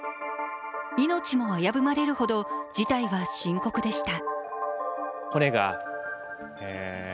命も危ぶまれるほど事態は深刻でした。